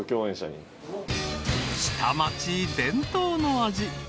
［下町伝統の味